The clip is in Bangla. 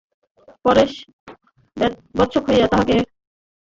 পরেশ ব্যস্ত হইয়া তাঁহাকে প্রতিনমস্কার করিলেন।